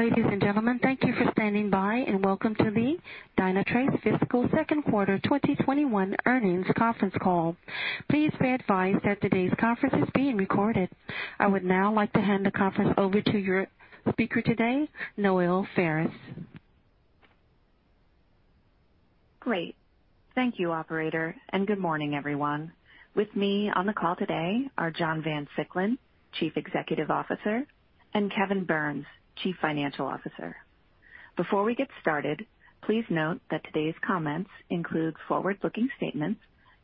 Ladies and gentlemen, thank you for standing by, and welcome to the Dynatrace Fiscal Second Quarter 2021 Earnings Conference Call. Please be advised that today's conference is being recorded. I would now like to hand the conference over to your speaker today, Noelle Faris. Great. Thank you, operator, and good morning, everyone. With me on the call today are John Van Siclen, Chief Executive Officer, and Kevin Burns, Chief Financial Officer. Before we get started, please note that today's comments include forward-looking statements,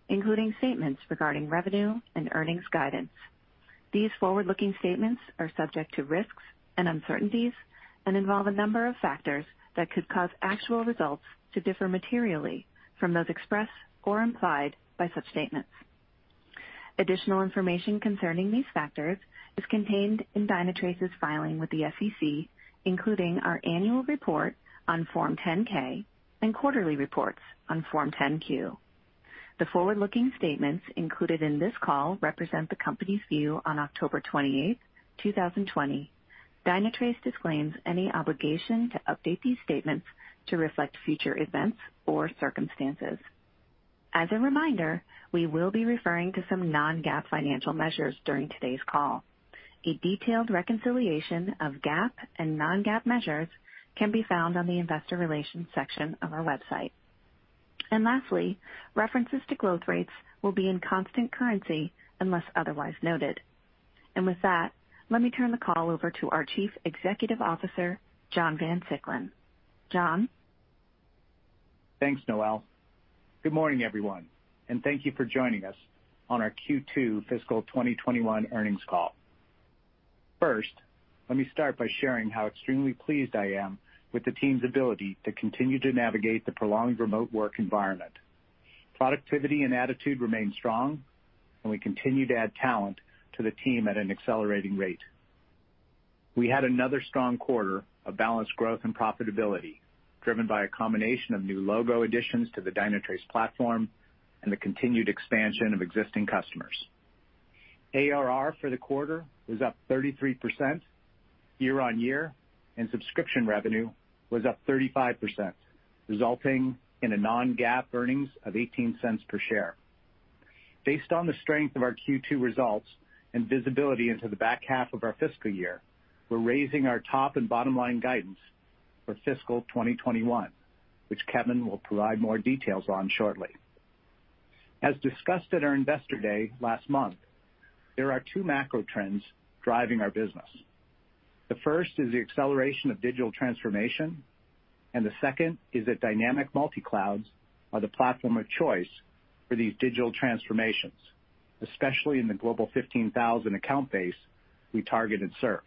including statements regarding revenue and earnings guidance. These forward-looking statements are subject to risks and uncertainties and involve a number of factors that could cause actual results to differ materially from those expressed or implied by such statements. Additional information concerning these factors is contained in Dynatrace's filing with the SEC, including our annual report on Form 10-K and quarterly reports on Form 10-Q. The forward-looking statements included in this call represent the company's view on October 28, 2020. Dynatrace disclaims any obligation to update these statements to reflect future events or circumstances. As a reminder, we will be referring to some non-GAAP financial measures during today's call. A detailed reconciliation of GAAP and non-GAAP measures can be found on the investor relations section of our website. Lastly, references to growth rates will be in constant currency unless otherwise noted. With that, let me turn the call over to our Chief Executive Officer, John Van Siclen. John? Thanks, Noelle. Good morning, everyone. Thank you for joining us on our Q2 fiscal 2021 earnings call. First, let me start by sharing how extremely pleased I am with the team's ability to continue to navigate the prolonged remote work environment. Productivity and attitude remain strong. We continue to add talent to the team at an accelerating rate. We had another strong quarter of balanced growth and profitability, driven by a combination of new logo additions to the Dynatrace platform and the continued expansion of existing customers. ARR for the quarter was up 33% year-on-year. Subscription revenue was up 35%, resulting in a non-GAAP earnings of $0.18 per share. Based on the strength of our Q2 results and visibility into the back half of our fiscal year, we're raising our top and bottom-line guidance for fiscal 2021, which Kevin will provide more details on shortly. As discussed at our investor day last month, there are two macro trends driving our business. The first is the acceleration of digital transformation, and the second is that dynamic multi-clouds are the platform of choice for these digital transformations, especially in the Global 15,000 account base we target and serve.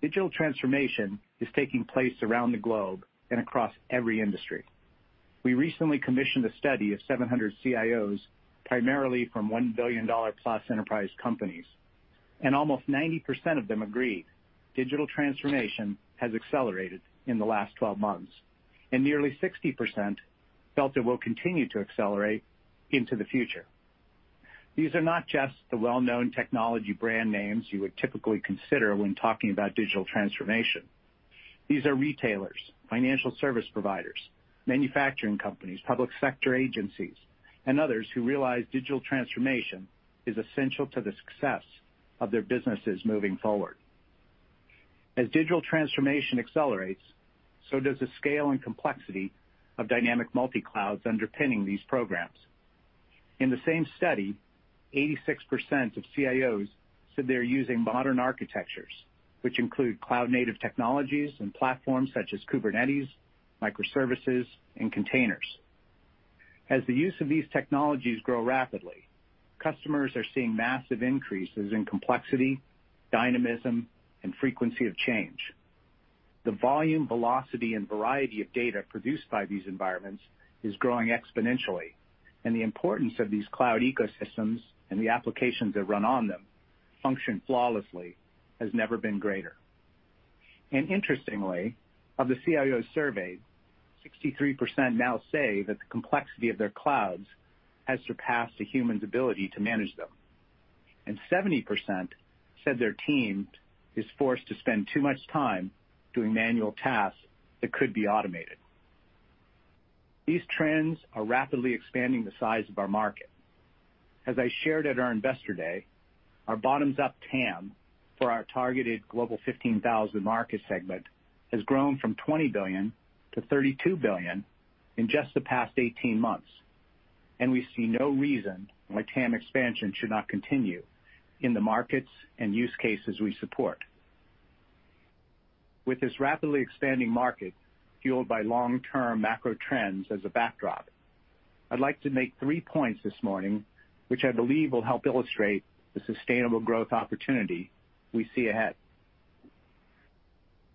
Digital transformation is taking place around the globe and across every industry. We recently commissioned a study of 700 CIOs, primarily from $1 billion-plus enterprise companies, and almost 90% of them agreed digital transformation has accelerated in the last 12 months, and nearly 60% felt it will continue to accelerate into the future. These are not just the well-known technology brand names you would typically consider when talking about digital transformation. These are retailers, financial service providers, manufacturing companies, public sector agencies, and others who realize digital transformation is essential to the success of their businesses moving forward. As digital transformation accelerates, so does the scale and complexity of dynamic multi-clouds underpinning these programs. In the same study, 86% of CIOs said they're using modern architectures, which include cloud-native technologies and platforms such as Kubernetes, microservices, and containers. As the use of these technologies grow rapidly, customers are seeing massive increases in complexity, dynamism, and frequency of change. The volume, velocity, and variety of data produced by these environments is growing exponentially, and the importance of these cloud ecosystems and the applications that run on them function flawlessly has never been greater. Interestingly, of the CIOs surveyed, 63% now say that the complexity of their clouds has surpassed a human's ability to manage them, and 70% said their team is forced to spend too much time doing manual tasks that could be automated. These trends are rapidly expanding the size of our market. As I shared at our investor day, our bottoms-up TAM for our targeted Global 15,000 market segment has grown from $20 billion to $32 billion in just the past 18 months, and we see no reason why TAM expansion should not continue in the markets and use cases we support. With this rapidly expanding market fueled by long-term macro trends as a backdrop, I'd like to make three points this morning, which I believe will help illustrate the sustainable growth opportunity we see ahead.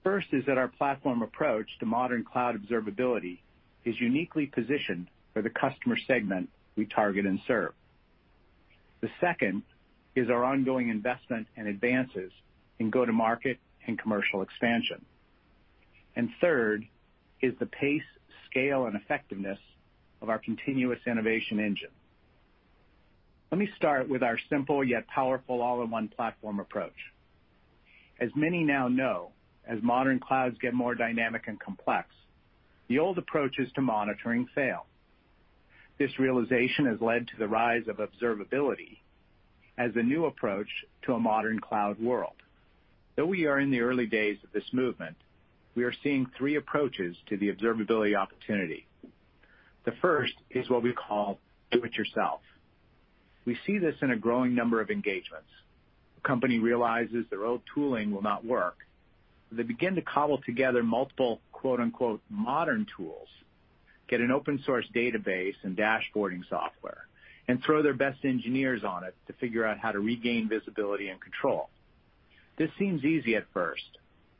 First is that our platform approach to modern cloud observability is uniquely positioned for the customer segment we target and serve. The second is our ongoing investment and advances in go-to-market and commercial expansion. Third is the pace, scale, and effectiveness of our continuous innovation engine. Let me start with our simple yet powerful all-in-one platform approach. As many now know, as modern clouds get more dynamic and complex, the old approaches to monitoring fail. This realization has led to the rise of observability as a new approach to a modern cloud world. Though we are in the early days of this movement, we are seeing three approaches to the observability opportunity. The first is what we call do it yourself. We see this in a growing number of engagements. A company realizes their old tooling will not work, so they begin to cobble together multiple "modern tools," get an open source database and dashboarding software, and throw their best engineers on it to figure out how to regain visibility and control. This seems easy at first,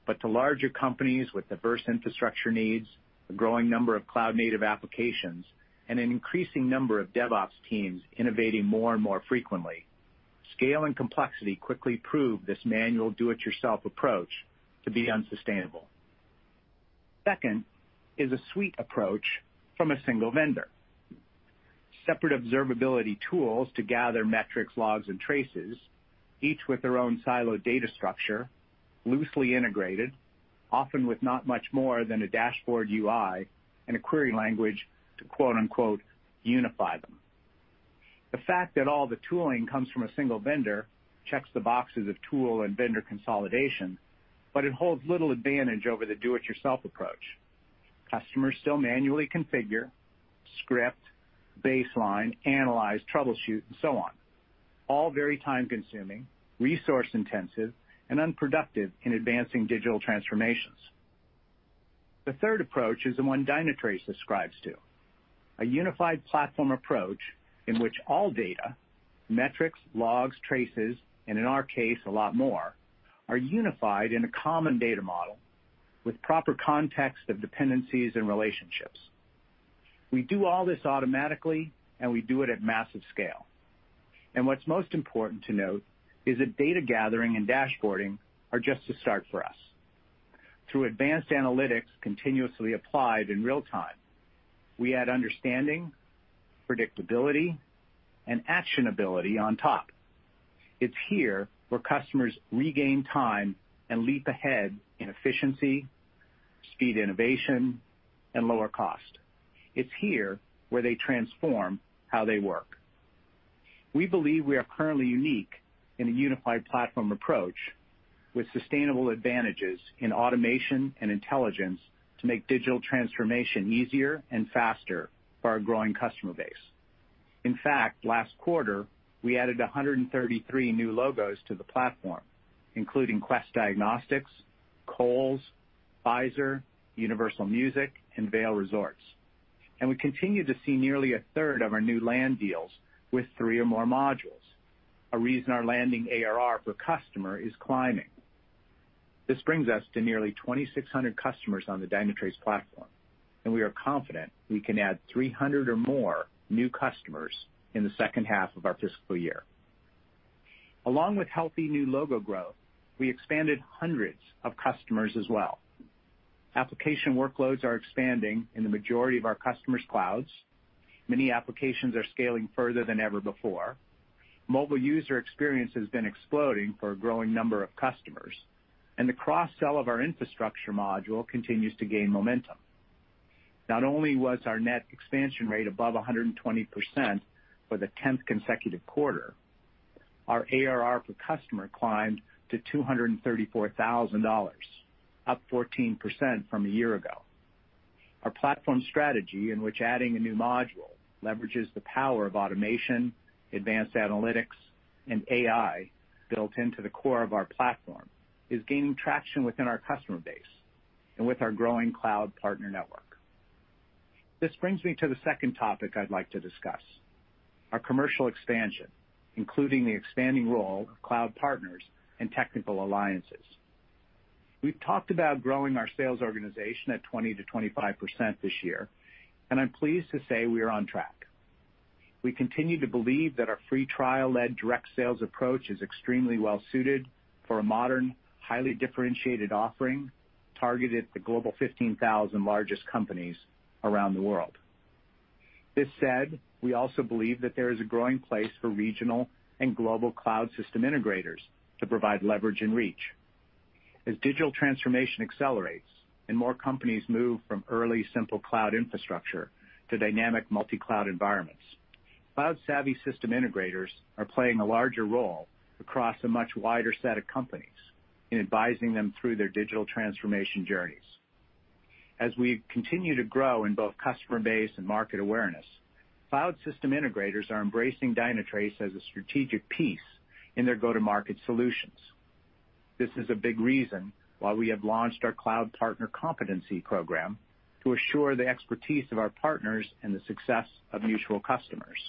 but to larger companies with diverse infrastructure needs, a growing number of cloud-native applications, and an increasing number of DevOps teams innovating more and more frequently, scale and complexity quickly prove this manual do-it-yourself approach to be unsustainable. Second is a suite approach from a single vendor. Separate observability tools to gather metrics, logs, and traces, each with their own siloed data structure, loosely integrated, often with not much more than a dashboard UI and a query language to "unify" them. The fact that all the tooling comes from a single vendor checks the boxes of tool and vendor consolidation, but it holds little advantage over the do-it-yourself approach. Customers still manually configure, script, baseline, analyze, troubleshoot, and so on. All very time-consuming, resource-intensive, and unproductive in advancing digital transformations. The third approach is the one Dynatrace ascribes to, a unified platform approach in which all data, metrics, logs, traces, and in our case, a lot more, are unified in a common data model with proper context of dependencies and relationships. We do all this automatically, and we do it at massive scale. What's most important to note is that data gathering and dashboarding are just a start for us. Through advanced analytics continuously applied in real time, we add understanding, predictability, and actionability on top. It's here where customers regain time and leap ahead in efficiency, speed innovation, and lower cost. It's here where they transform how they work. We believe we are currently unique in a unified platform approach with sustainable advantages in automation and intelligence to make digital transformation easier and faster for our growing customer base. In fact, last quarter, we added 133 new logos to the platform, including Quest Diagnostics, Kohl's, Pfizer, Universal Music, and Vail Resorts. We continue to see nearly a third of our new land deals with three or more modules, a reason our landing ARR per customer is climbing. This brings us to nearly 2,600 customers on the Dynatrace platform, and we are confident we can add 300 or more new customers in the second half of our fiscal year. Along with healthy new logo growth, we expanded hundreds of customers as well. Application workloads are expanding in the majority of our customers' clouds. Many applications are scaling further than ever before. Mobile user experience has been exploding for a growing number of customers, and the cross-sell of our infrastructure module continues to gain momentum. Not only was our net expansion rate above 120% for the 10th consecutive quarter, our ARR per customer climbed to $234,000, up 14% from a year ago. Our platform strategy, in which adding a new module leverages the power of automation, advanced analytics, and AI built into the core of our platform, is gaining traction within our customer base and with our growing cloud partner network. This brings me to the second topic I'd like to discuss, our commercial expansion, including the expanding role of cloud partners and technical alliances. We've talked about growing our sales organization at 20%-25% this year. I'm pleased to say we are on track. We continue to believe that our free trial-led direct sales approach is extremely well-suited for a modern, highly differentiated offering targeted to Global 15,000 largest companies around the world. This said, we also believe that there is a growing place for regional and global cloud system integrators to provide leverage and reach. As digital transformation accelerates and more companies move from early simple cloud infrastructure to dynamic multi-cloud environments, cloud-savvy system integrators are playing a larger role across a much wider set of companies in advising them through their digital transformation journeys. As we continue to grow in both customer base and market awareness, cloud system integrators are embracing Dynatrace as a strategic piece in their go-to-market solutions. This is a big reason why we have launched our cloud partner competency program to assure the expertise of our partners and the success of mutual customers.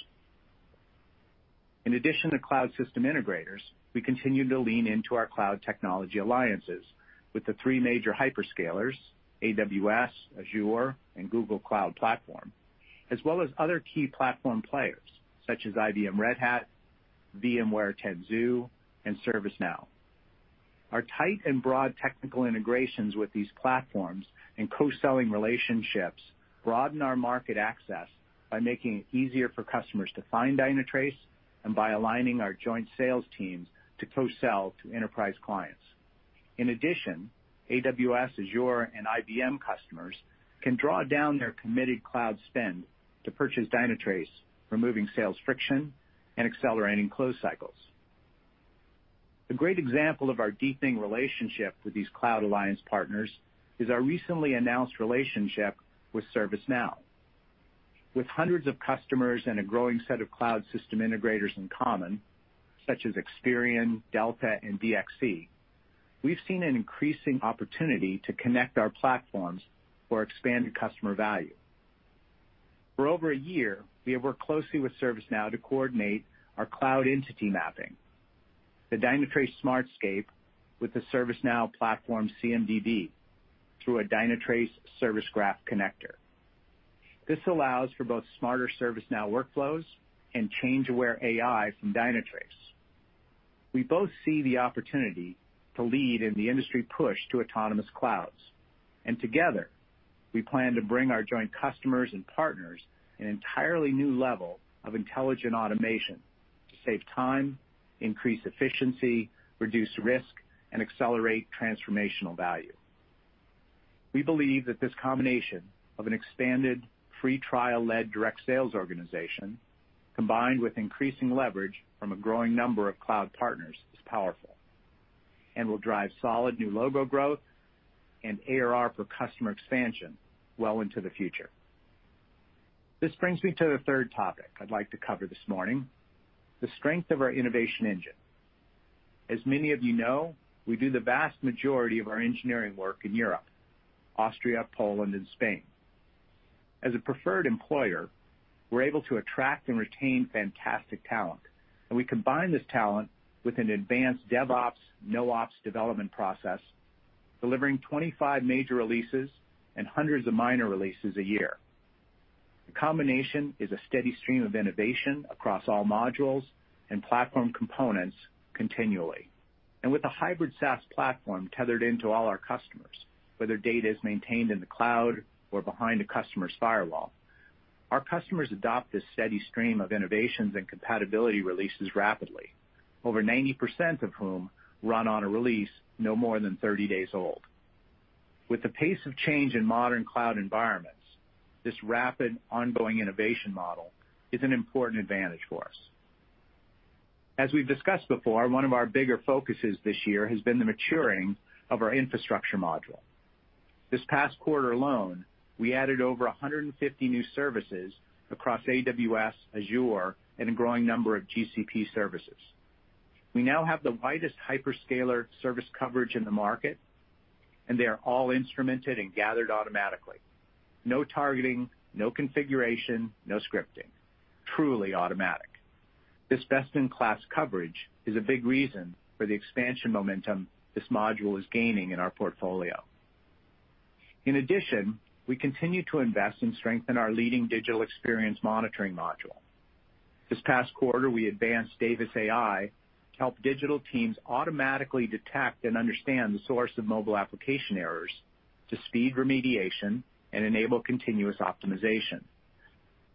In addition to cloud system integrators, we continue to lean into our cloud technology alliances with the three major hyperscalers, AWS, Azure, and Google Cloud Platform, as well as other key platform players such as IBM Red Hat, VMware Tanzu, and ServiceNow. Our tight and broad technical integrations with these platforms and co-selling relationships broaden our market access by making it easier for customers to find Dynatrace and by aligning our joint sales teams to co-sell to enterprise clients. AWS, Azure, and IBM customers can draw down their committed cloud spend to purchase Dynatrace, removing sales friction and accelerating close cycles. A great example of our deepening relationship with these cloud alliance partners is our recently announced relationship with ServiceNow. With hundreds of customers and a growing set of cloud system integrators in common, such as Experian, Delta, and DXC, we've seen an increasing opportunity to connect our platforms for expanded customer value. For over a year, we have worked closely with ServiceNow to coordinate our cloud entity mapping, the Dynatrace Smartscape, with the ServiceNow platform CMDB through a Dynatrace Service Graph Connector. This allows for both smarter ServiceNow workflows and change-aware AI from Dynatrace. We both see the opportunity to lead in the industry push to autonomous clouds, and together, we plan to bring our joint customers and partners an entirely new level of intelligent automation to save time, increase efficiency, reduce risk, and accelerate transformational value. We believe that this combination of an expanded free trial-led direct sales organization, combined with increasing leverage from a growing number of cloud partners, is powerful and will drive solid new logo growth and ARR for customer expansion well into the future. This brings me to the third topic I'd like to cover this morning, the strength of our innovation engine. As many of you know, we do the vast majority of our engineering work in Europe, Austria, Poland, and Spain. We combine this talent with an advanced DevOps, NoOps development process, delivering 25 major releases and hundreds of minor releases a year. The combination is a steady stream of innovation across all modules and platform components continually. With a hybrid SaaS platform tethered into all our customers, whether data is maintained in the cloud or behind a customer's firewall, our customers adopt this steady stream of innovations and compatibility releases rapidly, over 90% of whom run on a release no more than 30 days old. With the pace of change in modern cloud environments, this rapid ongoing innovation model is an important advantage for us. As we've discussed before, one of our bigger focuses this year has been the maturing of our infrastructure module. This past quarter alone, we added over 150 new services across AWS, Azure, and a growing number of GCP services. We now have the widest hyperscaler service coverage in the market, they are all instrumented and gathered automatically. No targeting, no configuration, no scripting. Truly automatic. This best-in-class coverage is a big reason for the expansion momentum this module is gaining in our portfolio. We continue to invest and strengthen our leading Digital Experience Monitoring module. This past quarter, we advanced Davis AI to help digital teams automatically detect and understand the source of mobile application errors to speed remediation and enable continuous optimization.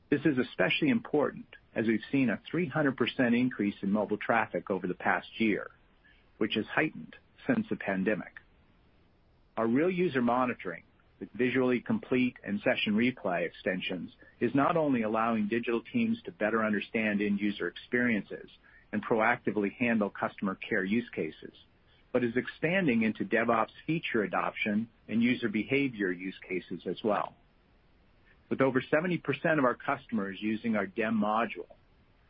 This is especially important as we've seen a 300% increase in mobile traffic over the past year, which has heightened since the pandemic. Our Real User Monitoring with visually complete and session replay extensions is not only allowing digital teams to better understand end-user experiences and proactively handle customer care use cases, but is expanding into DevOps feature adoption and user behavior use cases as well. With over 70% of our customers using our DEM module,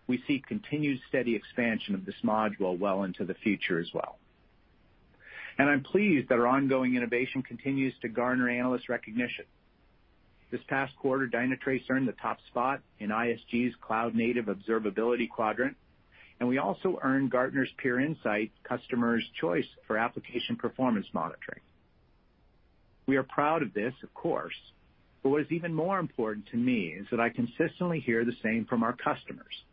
we see continued steady expansion of this module well into the future as well. I'm pleased that our ongoing innovation continues to garner analyst recognition. This past quarter, Dynatrace earned the top spot in ISG's Cloud-Native Observability Quadrant, and we also earned Gartner's Peer Insights Customers' Choice for Application Performance Monitoring. We are proud of this, of course, but what is even more important to me is that I consistently hear the same from our customers,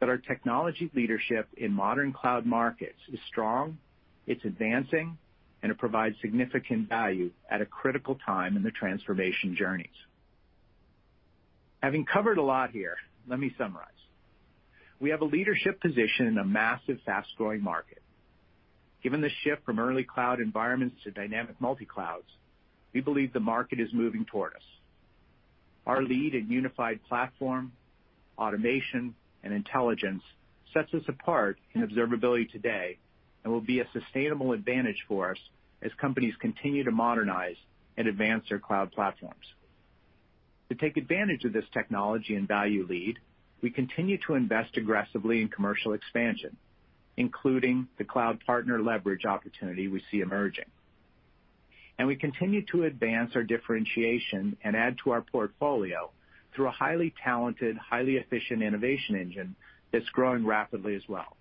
that our technology leadership in modern cloud markets is strong, it's advancing, and it provides significant value at a critical time in their transformation journeys. Having covered a lot here, let me summarize. We have a leadership position in a massive, fast-growing market. Given the shift from early cloud environments to dynamic multi-clouds, we believe the market is moving toward us. Our lead in unified platform, automation, and intelligence sets us apart in observability today and will be a sustainable advantage for us as companies continue to modernize and advance their cloud platforms. To take advantage of this technology and value lead, we continue to invest aggressively in commercial expansion, including the cloud partner leverage opportunity we see emerging. We continue to advance our differentiation and add to our portfolio through a highly talented, highly efficient innovation engine that's growing rapidly as well.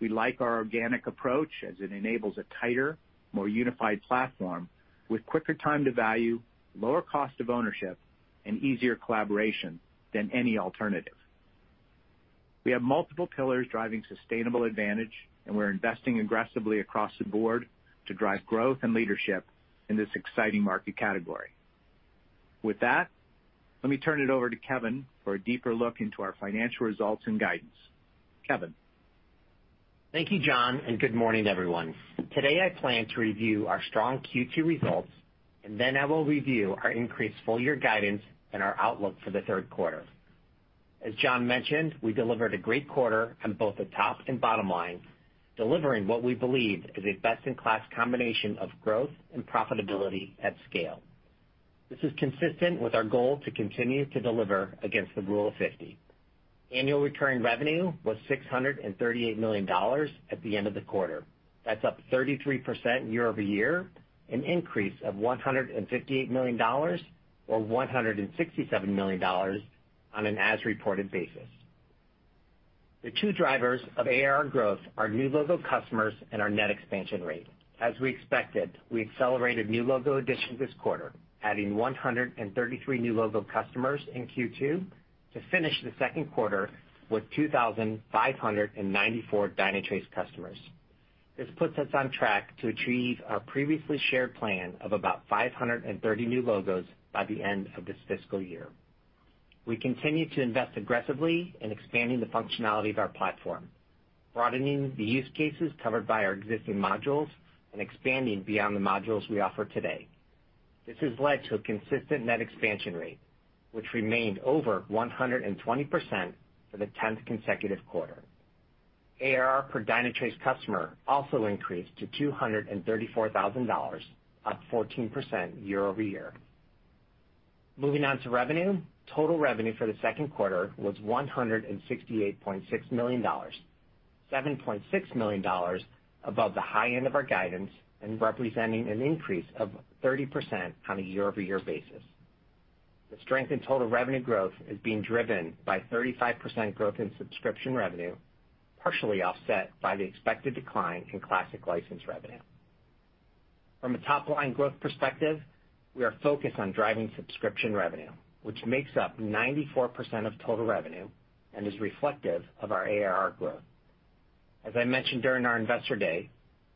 We like our organic approach as it enables a tighter, more unified platform with quicker time to value, lower cost of ownership, and easier collaboration than any alternative. We have multiple pillars driving sustainable advantage, and we're investing aggressively across the board to drive growth and leadership in this exciting market category. With that, let me turn it over to Kevin for a deeper look into our financial results and guidance. Kevin? Thank you, John. Good morning, everyone. Today, I plan to review our strong Q2 results. Then I will review our increased full year guidance and our outlook for the third quarter. As John mentioned, we delivered a great quarter on both the top and bottom lines, delivering what we believe is a best-in-class combination of growth and profitability at scale. This is consistent with our goal to continue to deliver against the Rule of 50. Annual recurring revenue was $638 million at the end of the quarter. That's up 33% year-over-year, an increase of $158 million or $167 million on an as reported basis. The two drivers of ARR growth are new logo customers and our net expansion rate. As we expected, we accelerated new logo additions this quarter, adding 133 new logo customers in Q2 to finish the second quarter with 2,594 Dynatrace customers. This puts us on track to achieve our previously shared plan of about 530 new logos by the end of this fiscal year. We continue to invest aggressively in expanding the functionality of our platform, broadening the use cases covered by our existing modules, and expanding beyond the modules we offer today. This has led to a consistent net expansion rate, which remained over 120% for the tenth consecutive quarter. ARR per Dynatrace customer also increased to $234,000, up 14% year-over-year. Moving on to revenue. Total revenue for the second quarter was $168.6 million, $7.6 million above the high end of our guidance and representing an increase of 30% on a year-over-year basis. The strength in total revenue growth is being driven by 35% growth in subscription revenue, partially offset by the expected decline in classic licensed revenue. From a top-line growth perspective, we are focused on driving subscription revenue, which makes up 94% of total revenue and is reflective of our ARR growth. As I mentioned during our investor day,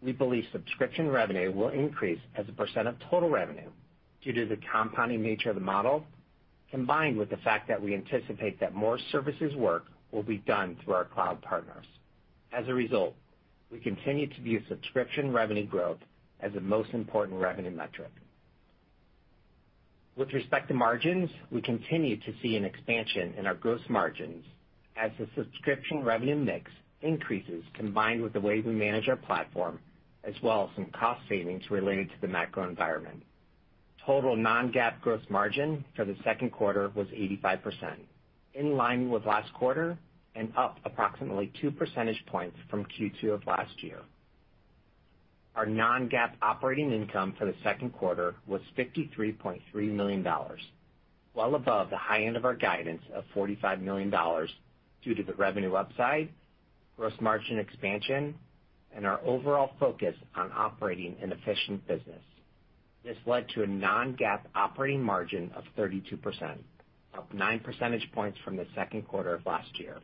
we believe subscription revenue will increase as a percent of total revenue due to the compounding nature of the model, combined with the fact that we anticipate that more services work will be done through our cloud partners. As a result, we continue to view subscription revenue growth as the most important revenue metric. With respect to margins, we continue to see an expansion in our gross margins as the subscription revenue mix increases, combined with the way we manage our platform, as well as some cost savings related to the macro environment. Total non-GAAP gross margin for the second quarter was 85%, in line with last quarter and up approximately two percentage points from Q2 of last year. Our non-GAAP operating income for the second quarter was $53.3 million, well above the high end of our guidance of $45 million due to the revenue upside, gross margin expansion, and our overall focus on operating an efficient business. This led to a non-GAAP operating margin of 32%, up nine percentage points from the second quarter of last year.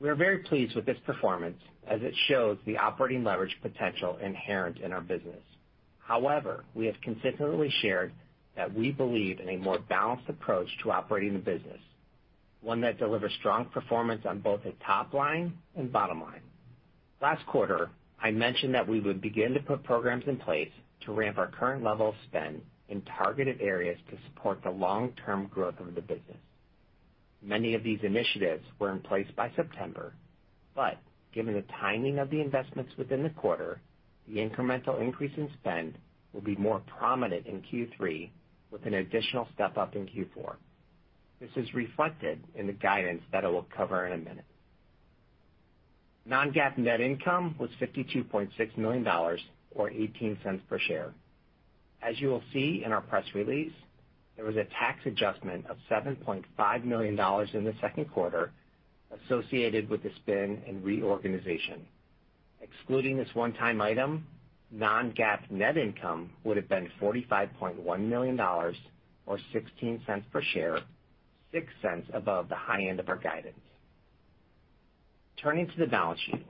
We are very pleased with this performance as it shows the operating leverage potential inherent in our business. However, we have consistently shared that we believe in a more balanced approach to operating the business, one that delivers strong performance on both the top line and bottom line. Last quarter, I mentioned that we would begin to put programs in place to ramp our current level of spend in targeted areas to support the long-term growth of the business. Many of these initiatives were in place by September, but given the timing of the investments within the quarter, the incremental increase in spend will be more prominent in Q3 with an additional step-up in Q4. This is reflected in the guidance that I will cover in a minute. Non-GAAP net income was $52.6 million, or $0.18 per share. As you will see in our press release, there was a tax adjustment of $7.5 million in the second quarter associated with the spin and reorganization. Excluding this one-time item, non-GAAP net income would've been $45.1 million, or $0.16 per share, $0.06 above the high end of our guidance. Turning to the balance sheet.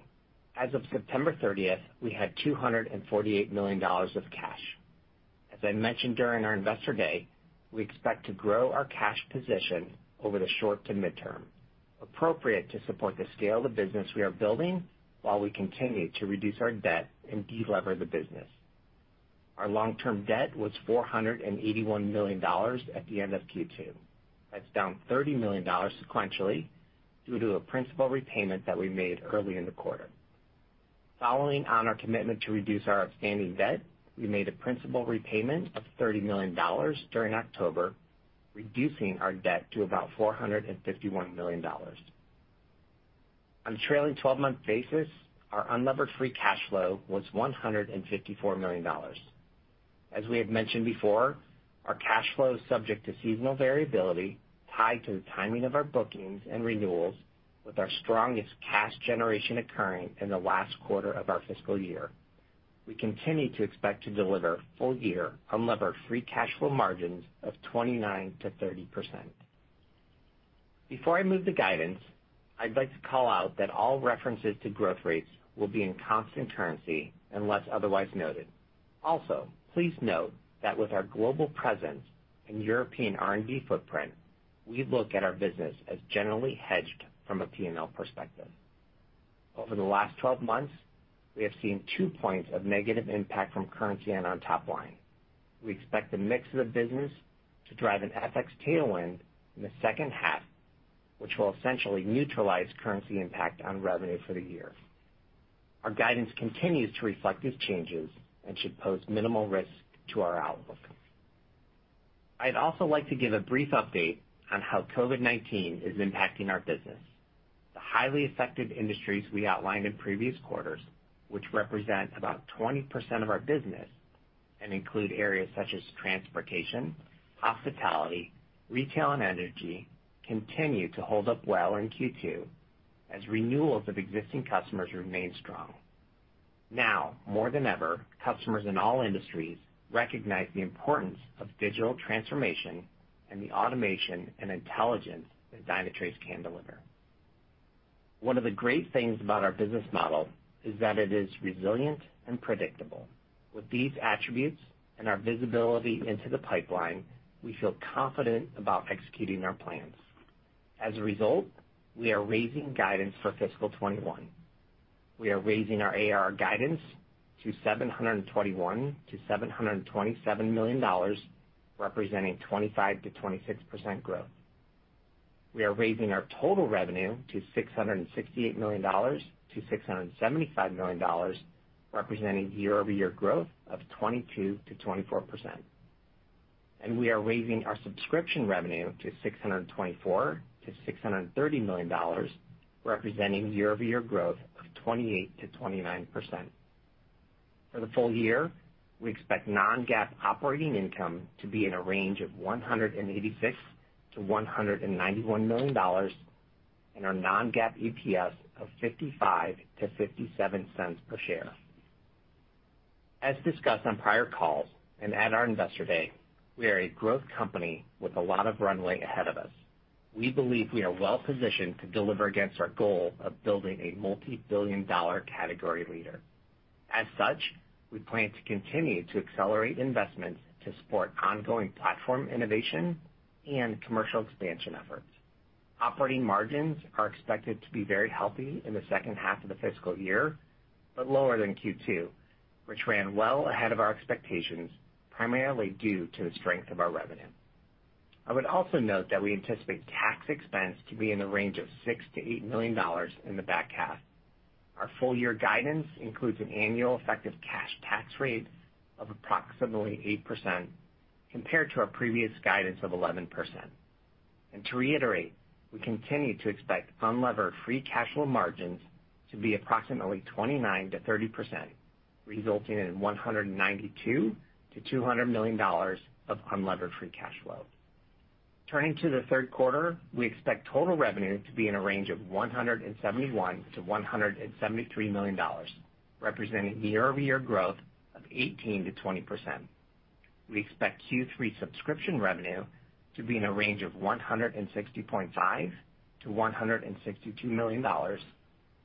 As of September 30th, we had $248 million of cash. As I mentioned during our Investor Day, we expect to grow our cash position over the short to mid-term, appropriate to support the scale of the business we are building while we continue to reduce our debt and de-lever the business. Our long-term debt was $481 million at the end of Q2. That is down $30 million sequentially due to a principal repayment that we made early in the quarter. Following on our commitment to reduce our outstanding debt, we made a principal repayment of $30 million during October, reducing our debt to about $451 million. On a trailing 12-month basis, our unlevered free cash flow was $154 million. As we have mentioned before, our cash flow is subject to seasonal variability tied to the timing of our bookings and renewals, with our strongest cash generation occurring in the last quarter of our fiscal year. We continue to expect to deliver full year unlevered free cash flow margins of 29% to 30%. Before I move to guidance, I'd like to call out that all references to growth rates will be in constant currency unless otherwise noted. Also, please note that with our global presence and European R&D footprint, we look at our business as generally hedged from a P&L perspective. Over the last 12 months, we have seen two points of negative impact from currency and on top line. We expect the mix of the business to drive an FX tailwind in the second half, which will essentially neutralize currency impact on revenue for the year. Our guidance continues to reflect these changes and should pose minimal risk to our outlook. I'd also like to give a brief update on how COVID-19 is impacting our business. The highly effective industries we outlined in previous quarters, which represent about 20% of our business and include areas such as transportation, hospitality, retail, and energy, continue to hold up well in Q2, as renewals of existing customers remain strong. Now more than ever, customers in all industries recognize the importance of digital transformation and the automation and intelligence that Dynatrace can deliver. One of the great things about our business model is that it is resilient and predictable. With these attributes and our visibility into the pipeline, we feel confident about executing our plans. As a result, we are raising guidance for fiscal 2021. We are raising our ARR guidance to $721 million-$727 million, representing 25%-26% growth. We are raising our total revenue to $668 million-$675 million, representing year-over-year growth of 22%-24%. We are raising our subscription revenue to $624 million-$630 million, representing year-over-year growth of 28%-29%. For the full year, we expect non-GAAP operating income to be in a range of $186 million-$191 million, and our non-GAAP EPS of $0.55-$0.57 per share. As discussed on prior calls and at our Investor Day, we are a growth company with a lot of runway ahead of us. We believe we are well positioned to deliver against our goal of building a multi-billion dollar category leader. As such, we plan to continue to accelerate investments to support ongoing platform innovation and commercial expansion efforts. Operating margins are expected to be very healthy in the second half of the fiscal year, but lower than Q2, which ran well ahead of our expectations, primarily due to the strength of our revenue. I would also note that we anticipate tax expense to be in the range of $6 million-$8 million in the back half. Our full year guidance includes an annual effective cash tax rate of approximately 8%, compared to our previous guidance of 11%. To reiterate, we continue to expect unlevered free cash flow margins to be approximately 29%-30%, resulting in $192 million-$200 million of unlevered free cash flow. Turning to the third quarter, we expect total revenue to be in a range of $171 million-$173 million, representing year-over-year growth of 18%-20%. We expect Q3 subscription revenue to be in a range of $160.5 million-$162 million,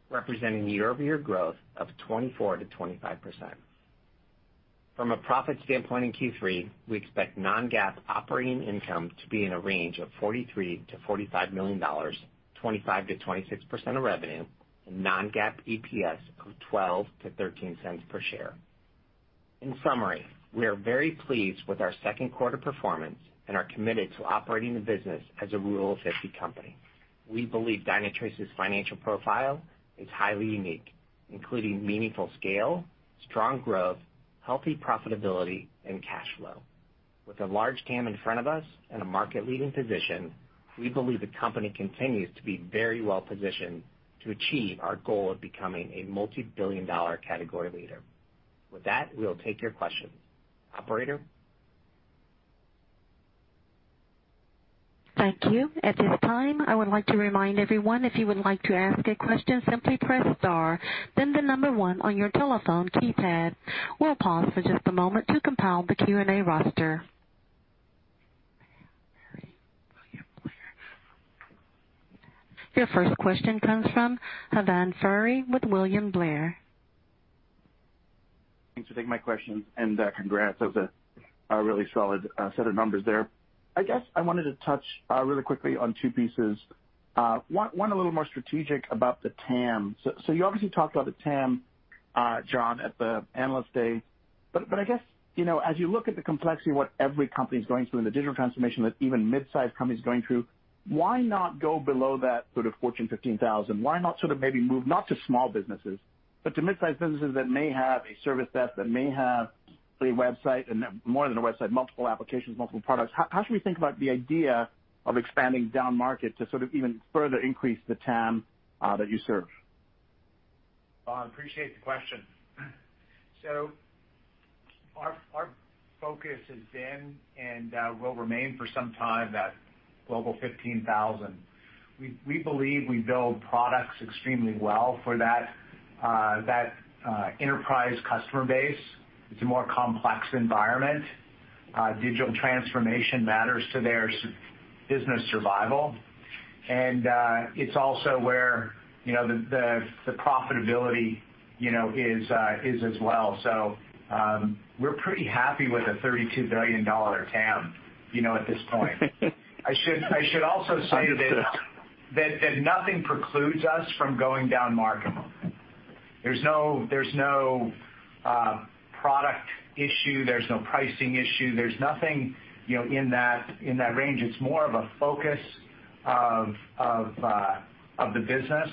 representing year-over-year growth of 24%-25%. From a profit standpoint in Q3, we expect non-GAAP operating income to be in a range of $43 million-$45 million, 25%-26% of revenue, and non-GAAP EPS of $0.12-$0.13 per share. In summary, we are very pleased with our second quarter performance and are committed to operating the business as a Rule 50 company. We believe Dynatrace's financial profile is highly unique, including meaningful scale, strong growth, healthy profitability, and cash flow. With a large TAM in front of us and a market-leading position, we believe the company continues to be very well positioned to achieve our goal of becoming a multi-billion dollar category leader. With that, we'll take your questions. Operator? Thank you. At this time, I would like to remind everyone if you would like to ask a question, simply press star, then the number one on your telephone keypad. We'll pause for just a moment to compile the Q&A roster. Your first question comes from Pavan Bhurji with William Blair. Thanks for taking my question, and congrats. That was a really solid set of numbers there. I guess I wanted to touch really quickly on two pieces. One, a little more strategic about the TAM. You obviously talked about the TAM, John, at the Analyst Day, but I guess as you look at the complexity of what every company is going through in the digital transformation that even mid-size companies are going through, why not go below that sort of Global 15,000? Why not sort of maybe move, not to small businesses, but to mid-size businesses that may have a service desk, that may have a website and more than a website, multiple applications, multiple products. How should we think about the idea of expanding down market to sort of even further increase the TAM that you serve? I appreciate the question. Our focus has been, and will remain for some time, that Global 15,000. We believe we build products extremely well for that enterprise customer base. It's a more complex environment. Digital transformation matters to their business survival, and it's also where the profitability is as well. We're pretty happy with a $32 billion TAM at this point. Understood. I should also say that nothing precludes us from going down market. There's no product issue, there's no pricing issue, there's nothing in that range. It's more of a focus of the business,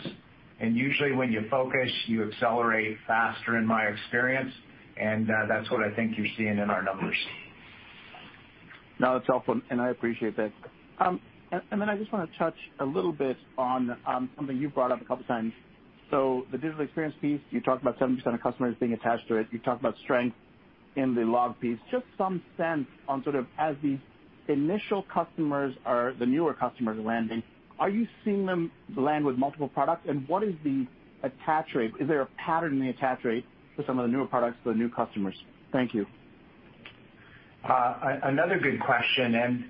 and usually when you focus, you accelerate faster, in my experience, and that's what I think you're seeing in our numbers. No, that's helpful, and I appreciate that. I just want to touch a little bit on something you brought up a couple times. The digital experience piece, you talked about 70% of customers being attached to it. You talked about strength in the log piece. Just some sense on sort of as the initial customers or the newer customers are landing, are you seeing them land with multiple products, and what is the attach rate? Is there a pattern in the attach rate for some of the newer products for the new customers? Thank you. Another good question.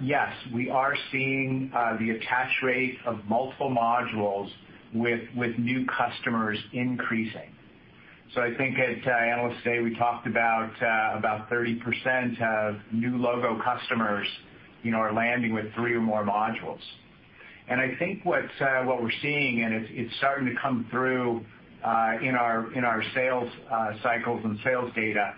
Yes, we are seeing the attach rate of multiple modules with new customers increasing. I think at Analyst Day, we talked about 30% of new logo customers are landing with three or more modules. I think what we're seeing, and it's starting to come through in our sales cycles and sales data,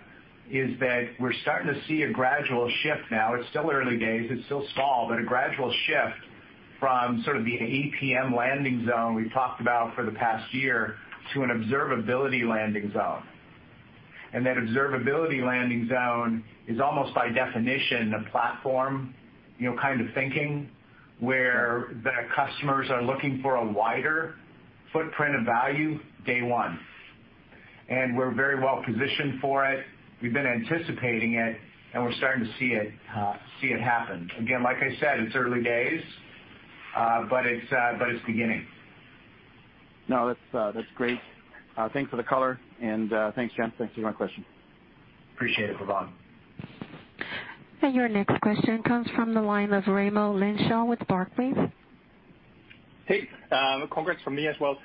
is that we're starting to see a gradual shift now. It's still early days, it's still small, but a gradual shift from sort of the APM landing zone we've talked about for the past year to an observability landing zone. That observability landing zone is almost by definition a platform kind of thinking, where the customers are looking for a wider footprint of value day one. We're very well-positioned for it. We've been anticipating it, and we're starting to see it happen. Again, like I said, it's early days, but it's beginning. No, that's great. Thanks for the color, and thanks, John. Thanks for my question. Appreciate it, Pavan. Your next question comes from the line of Raimo Lenschow with Barclays. Hey, congrats from me as well.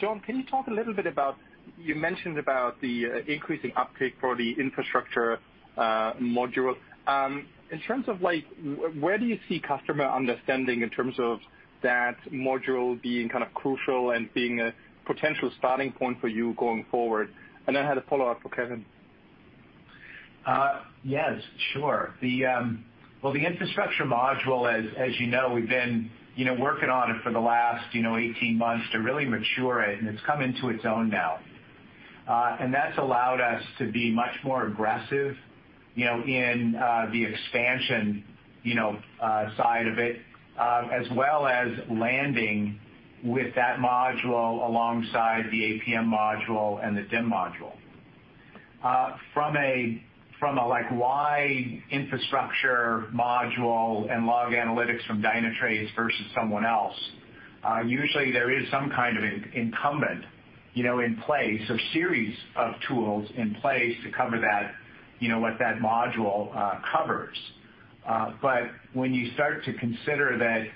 John, can you talk a little bit about, you mentioned about the increasing uptake for the infrastructure module. In terms of like where do you see customer understanding in terms of that module being kind of crucial and being a potential starting point for you going forward? I had a follow-up for Kevin. Yes, sure. The infrastructure module, as you know, we've been working on it for the last 18 months to really mature it's come into its own now. That's allowed us to be much more aggressive in the expansion side of it, as well as landing with that module alongside the APM module and the DEM module. From a like why infrastructure module and log analytics from Dynatrace versus someone else, usually there is some kind of incumbent in place, a series of tools in place to cover what that module covers. When you start to consider that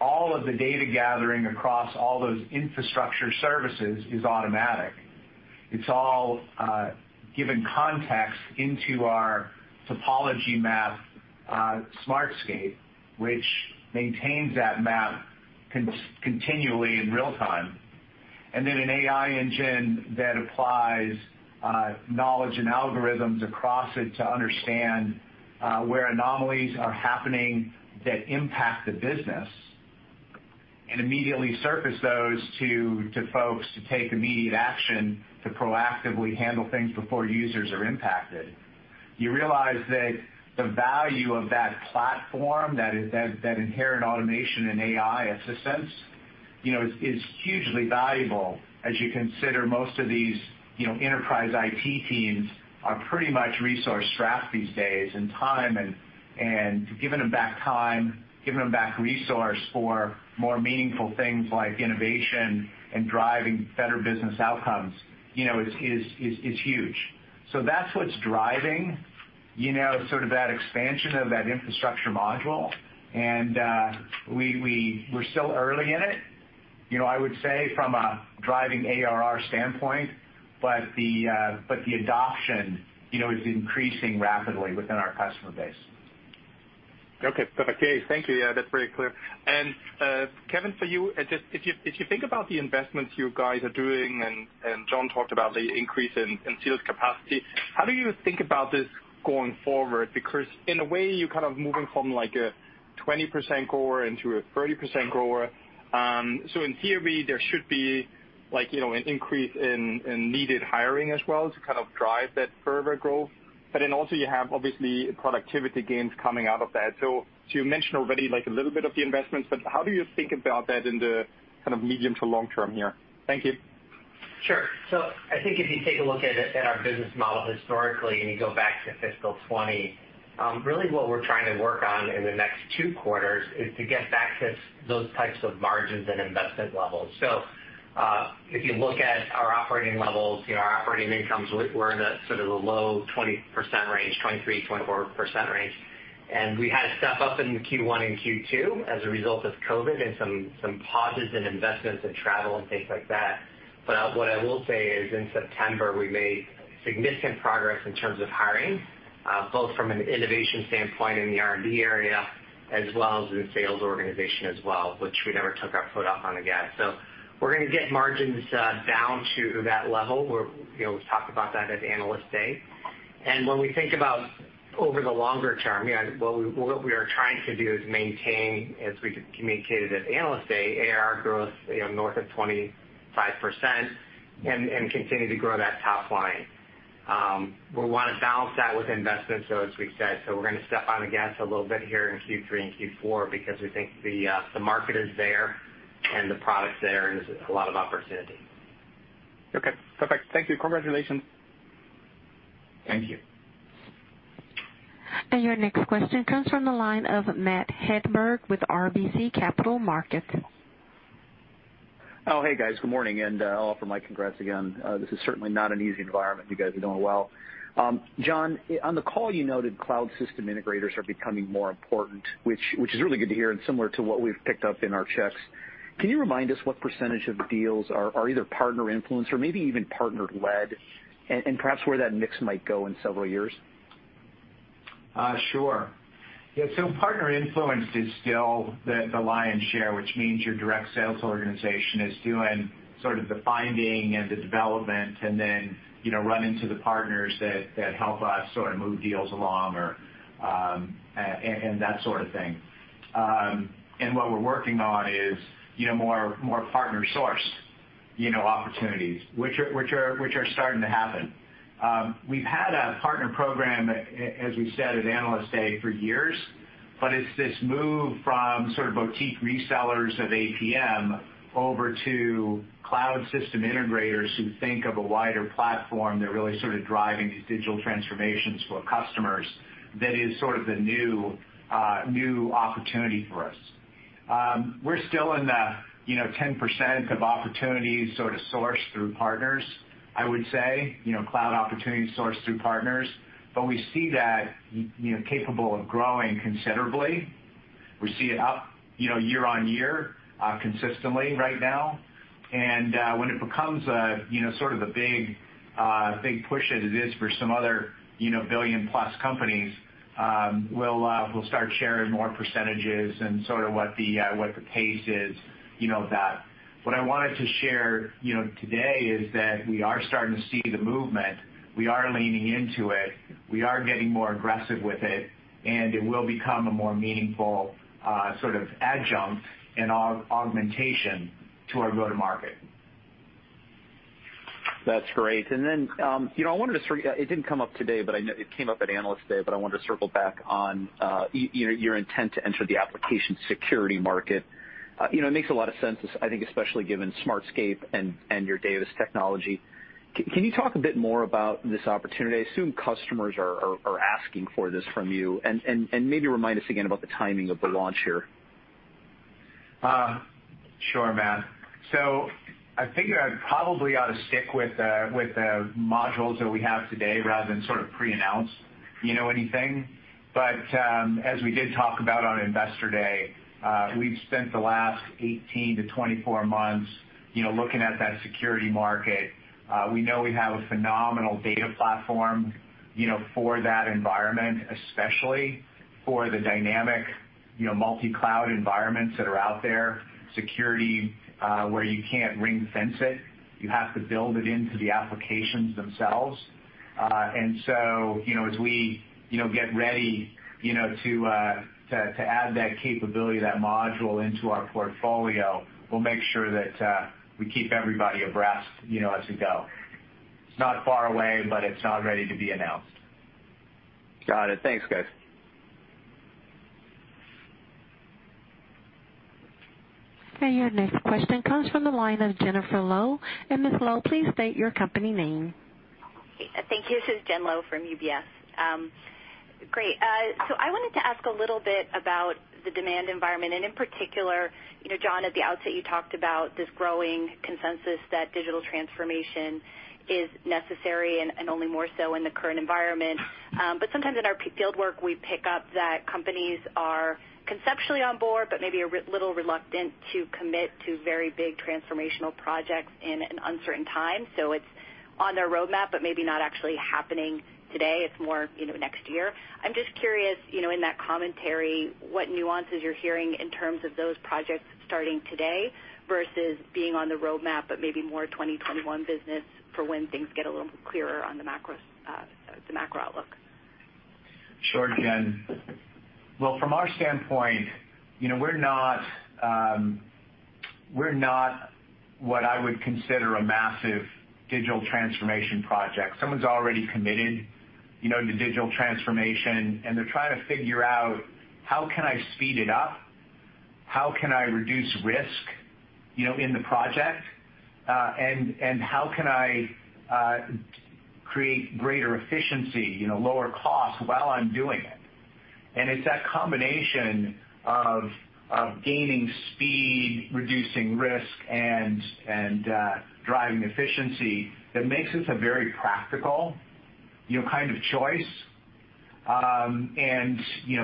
all of the data gathering across all those infrastructure services is automatic, it's all given context into our topology map Smartscape, which maintains that map continually in real time. Then an AI engine that applies knowledge and algorithms across it to understand where anomalies are happening that impact the business, and immediately surface those to folks to take immediate action to proactively handle things before users are impacted. You realize that the value of that platform, that inherent automation and AI assistance, is hugely valuable as you consider most of these enterprise IT teams are pretty much resource-strapped these days and time, and giving them back time, giving them back resource for more meaningful things like innovation and driving better business outcomes is huge. That's what's driving sort of that expansion of that infrastructure module, and we're still early in it. I would say from a driving ARR standpoint, but the adoption is increasing rapidly within our customer base. Okay, perfect. Thank you. Yeah, that's very clear. Kevin, for you, if you think about the investments you guys are doing, John talked about the increase in sales capacity, how do you think about this going forward? In a way, you're kind of moving from like a 20% grower into a 30% grower. In theory, there should be an increase in needed hiring as well to kind of drive that further growth. Also you have, obviously, productivity gains coming out of that. You mentioned already a little bit of the investments, how do you think about that in the kind of medium to long term here? Thank you. Sure. I think if you take a look at our business model historically, and you go back to fiscal 2020, really what we're trying to work on in the next two quarters is to get back to those types of margins and investment levels. If you look at our operating levels, our operating incomes were in the low 20% range, 23-24% range. We had to step up in Q1 and Q2 as a result of COVID-19 and some pauses in investments in travel and things like that. What I will say is, in September, we made significant progress in terms of hiring, both from an innovation standpoint in the R&D area, as well as in the sales organization as well, which we never took our foot off on the gas. We're going to get margins down to that level. We talked about that at Analyst Day. When we think about over the longer term, what we are trying to do is maintain, as we communicated at Analyst Day, ARR growth north of 25% and continue to grow that top line. We want to balance that with investments, as we said, we're going to step on the gas a little bit here in Q3 and Q4 because we think the market is there and the product's there, and there's a lot of opportunity. Okay, perfect. Thank you. Congratulations. Thank you. Your next question comes from the line of Matt Hedberg with RBC Capital Markets. Hey, guys. Good morning. I'll offer my congrats again. This is certainly not an easy environment. You guys are doing well. John, on the call you noted cloud system integrators are becoming more important, which is really good to hear and similar to what we've picked up in our checks. Can you remind us what % of the deals are either partner-influenced or maybe even partner-led, and perhaps where that mix might go in several years? Sure. Yeah, partner influence is still the lion's share, which means your direct sales organization is doing the finding and the development and then running to the partners that help us move deals along or and that sort of thing. What we're working on is more partner source opportunities, which are starting to happen. We've had a partner program, as we said at Analyst Day, for years, it's this move from boutique resellers of APM over to cloud system integrators who think of a wider platform. They're really driving these digital transformations for customers. That is the new opportunity for us. We're still in the 10% of opportunities sourced through partners, I would say, cloud opportunities sourced through partners, we see that capable of growing considerably. We see it up year-on-year consistently right now. When it becomes the big push that it is for some other billion-plus companies, we'll start sharing more % and what the pace is of that. What I wanted to share today is that we are starting to see the movement. We are leaning into it. We are getting more aggressive with it, and it will become a more meaningful adjunct and augmentation to our go-to-market. That's great. Then it didn't come up today, it came up at Analyst Day, but I wanted to circle back on your intent to enter the application security market. It makes a lot of sense, I think, especially given Smartscape and your Davis technology. Can you talk a bit more about this opportunity? I assume customers are asking for this from you. Maybe remind us again about the timing of the launch here. Sure, Matt. I think I probably ought to stick with the modules that we have today rather than pre-announce anything. As we did talk about on Investor Day, we've spent the last 18 to 24 months looking at that security market. We know we have a phenomenal data platform for that environment, especially for the dynamic multi-cloud environments that are out there, security where you can't ring-fence it. You have to build it into the applications themselves. As we get ready to add that capability, that module into our portfolio, we'll make sure that we keep everybody abreast as we go. It's not far away, but it's not ready to be announced. Got it. Thanks, guys. Your next question comes from the line of Jennifer Lowe. Ms. Lowe, please state your company name. Okay, thank you. This is Jen Lowe from UBS. Great. I wanted to ask a little bit about the demand environment, and in particular, John, at the outset, you talked about this growing consensus that digital transformation is necessary and only more so in the current environment. Sometimes in our fieldwork, we pick up that companies are conceptually on board, but maybe a little reluctant to commit to very big transformational projects in an uncertain time. It's on their roadmap, but maybe not actually happening today. It's more next year. I'm just curious, in that commentary, what nuances you're hearing in terms of those projects starting today versus being on the roadmap, but maybe more 2021 business for when things get a little clearer on the macro outlook. Sure, Jen. Well, from our standpoint, we're not what I would consider a massive digital transformation project. Someone's already committed to digital transformation, and they're trying to figure out, how can I speed it up? How can I reduce risk in the project? How can I create greater efficiency, lower cost while I'm doing it? It's that combination of gaining speed, reducing risk, and driving efficiency that makes this a very practical kind of choice, and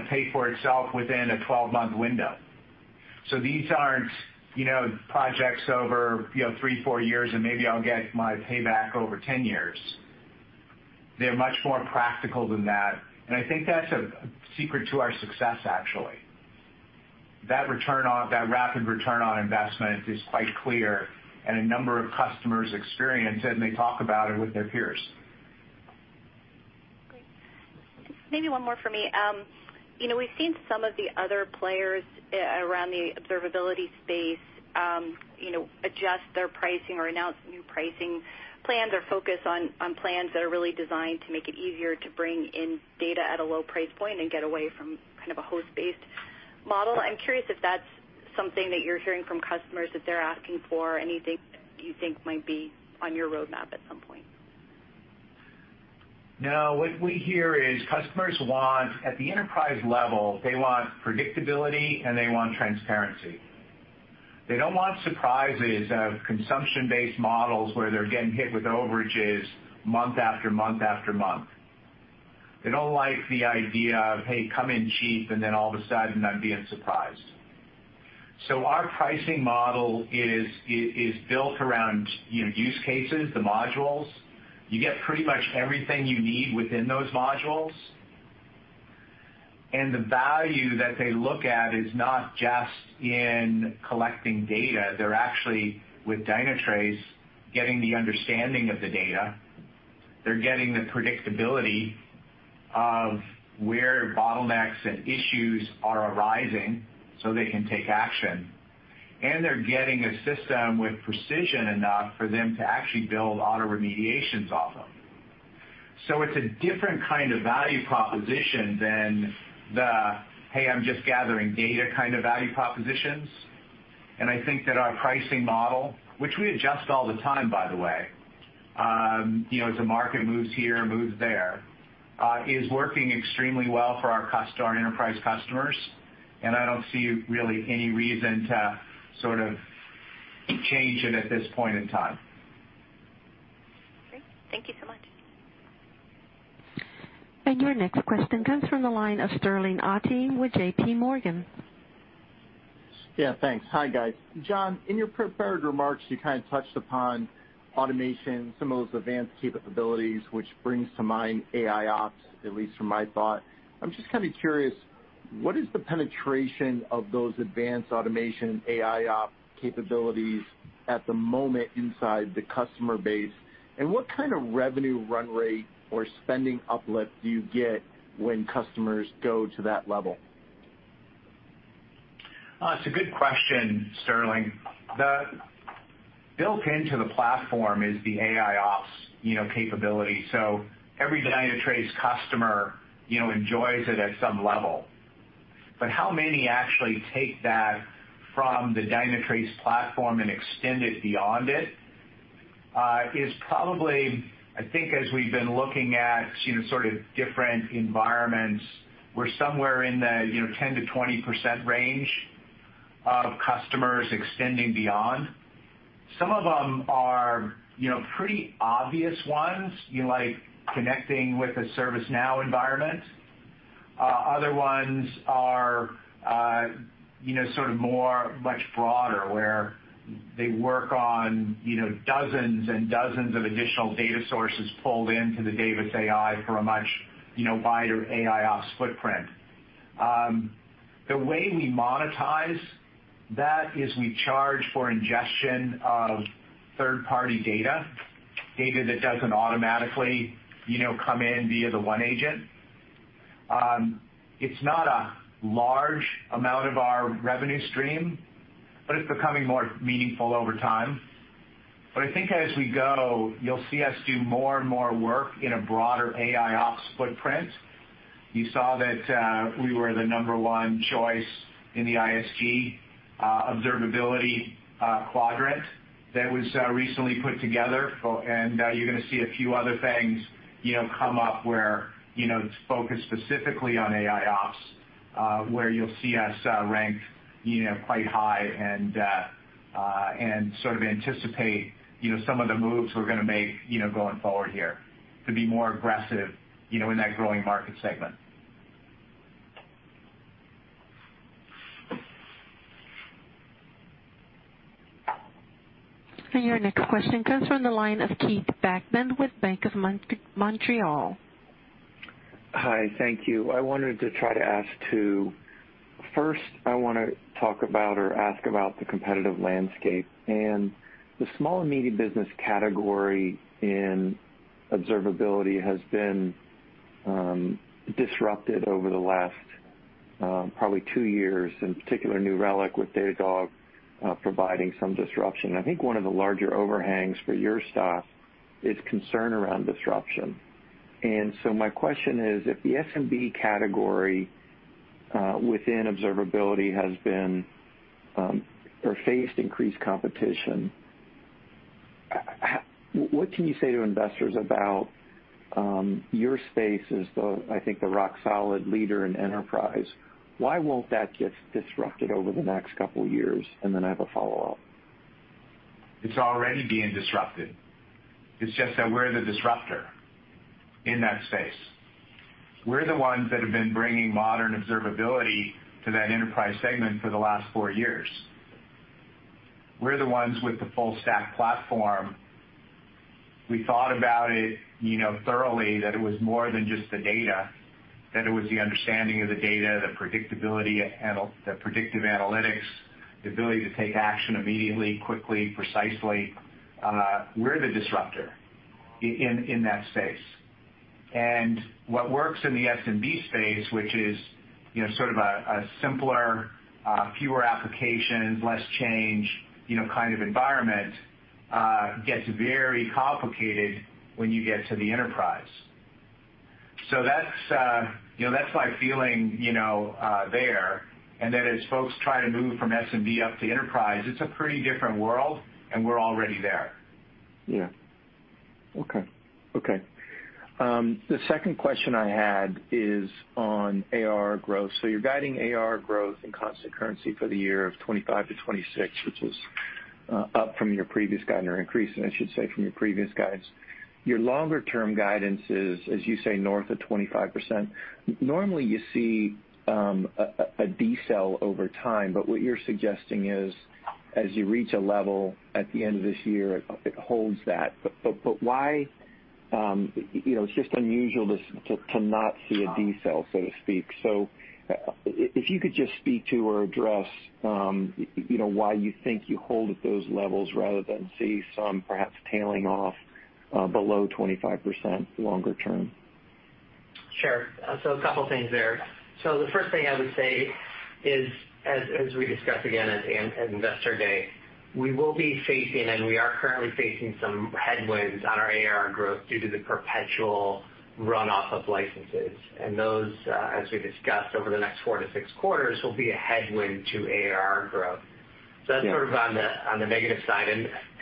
pay for itself within a 12-month window. These aren't projects over three, four years, and maybe I'll get my payback over 10 years. They're much more practical than that, and I think that's a secret to our success, actually. That rapid return on investment is quite clear, and a number of customers experience it, and they talk about it with their peers. Great. Maybe one more from me. We've seen some of the other players around the observability space adjust their pricing or announce new pricing plans or focus on plans that are really designed to make it easier to bring in data at a low price point and get away from a host-based model. I'm curious if that's something that you're hearing from customers, that they're asking for, anything that you think might be on your roadmap at some point. What we hear is customers want, at the enterprise level, they want predictability, and they want transparency. They don't want surprises of consumption-based models where they're getting hit with overages month after month after month. They don't like the idea of, hey, come in cheap, and then all of a sudden, I'm being surprised. Our pricing model is built around use cases, the modules. You get pretty much everything you need within those modules. The value that they look at is not just in collecting data. They're actually, with Dynatrace, getting the understanding of the data. They're getting the predictability of where bottlenecks and issues are arising so they can take action. They're getting a system with precision enough for them to actually build auto remediations off of. It's a different kind of value proposition than the, hey, I'm just gathering data kind of value propositions. I think that our pricing model, which we adjust all the time, by the way, as the market moves here, moves there, is working extremely well for our enterprise customers, and I don't see really any reason to sort of change it at this point in time. Great. Thank you so much. Your next question comes from the line of Sterling Auty with JPMorgan. Yeah, thanks. Hi, guys. John, in your prepared remarks, you kind of touched upon automation, some of those advanced capabilities, which brings to mind AIOps, at least from my thought. I'm just kind of curious, what is the penetration of those advanced automation AIOps capabilities at the moment inside the customer base? And what kind of revenue run rate or spending uplift do you get when customers go to that level? It's a good question, Sterling. Built into the platform is the AIOps capability. Every Dynatrace customer enjoys it at some level. How many actually take that from the Dynatrace platform and extend it beyond it? Is probably, I think as we've been looking at sort of different environments, we're somewhere in the 10%-20% range of customers extending beyond. Some of them are pretty obvious ones, like connecting with a ServiceNow environment. Other ones are sort of much broader, where they work on dozens and dozens of additional data sources pulled into the Davis AI for a much wider AIOps footprint. The way we monetize that is we charge for ingestion of third-party data that doesn't automatically come in via the OneAgent. It's not a large amount of our revenue stream, but it's becoming more meaningful over time. I think as we go, you'll see us do more and more work in a broader AIOps footprint. You saw that we were the number one choice in the ISG Observability Quadrant that was recently put together, and you're going to see a few other things come up where it's focused specifically on AIOps where you'll see us ranked quite high and sort of anticipate some of the moves we're going to make going forward here to be more aggressive in that growing market segment. Your next question comes from the line of Keith Bachman with Bank of Montreal. Hi. Thank you. I wanted to try to ask two. First, I want to talk about or ask about the competitive landscape. The small and medium business category in observability has been disrupted over the last probably two years, in particular New Relic with Datadog providing some disruption. I think one of the larger overhangs for your stock is concern around disruption. So my question is, if the SMB category within observability has faced increased competition, what can you say to investors about your space as the, I think, the rock-solid leader in enterprise? Why won't that get disrupted over the next couple of years? Then I have a follow-up. It's already being disrupted. It's just that we're the disruptor in that space. We're the ones that have been bringing modern observability to that enterprise segment for the last four years. We're the ones with the full stack platform. We thought about it thoroughly, that it was more than just the data, that it was the understanding of the data, the predictive analytics, the ability to take action immediately, quickly, precisely. We're the disruptor in that space. What works in the SMB space, which is sort of a simpler, fewer applications, less change kind of environment, gets very complicated when you get to the enterprise. That's my feeling there. As folks try to move from SMB up to enterprise, it's a pretty different world, and we're already there. Yeah. Okay. The second question I had is on ARR growth. You're guiding ARR growth in constant currency for the year of 25%-26%, which is up from your previous guide, or increase, I should say, from your previous guides. Your longer-term guidance is, as you say, north of 25%. Normally, you see a decel over time, but what you're suggesting is as you reach a level at the end of this year, it holds that. It's just unusual to not see a decel, so to speak. If you could just speak to or address why you think you hold at those levels rather than see some perhaps tailing off below 25% longer term. Sure. A couple things there. The first thing I would say is, as we discussed again at Investor Day, we will be facing, and we are currently facing some headwinds on our ARR growth due to the perpetual runoff of licenses. Those, as we discussed over the next four to six quarters, will be a headwind to ARR growth. Yeah. That's sort of on the negative side.